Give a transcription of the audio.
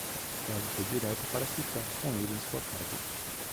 Ela foi direto para ficar com ele em sua casa.